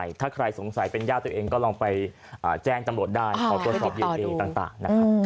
อย่างไรถ้าใครสงสัยเป็นย่าตัวเองก็ลองไปแจ้งตำรวจได้ขอตัวสอบยืนเอ่ยต่าง